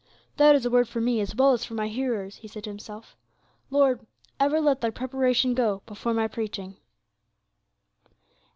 "That is a word for me, as well as for my hearers," he said to himself. "Lord, ever let Thy preparation go before my preaching."